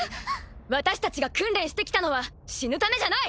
私たちが訓練してきたのは死ぬためじゃない！